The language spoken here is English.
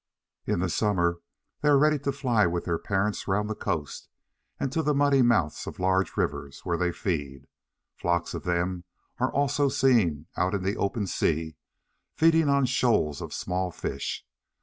In summer they are ready to fly with their parents round the coast, and to the muddy mouths of large rivers, where they feed. Flocks of them are also seen out in the open sea, feeding on the shoals of small fish.